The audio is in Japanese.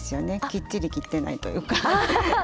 きっちり切ってないというかハハ。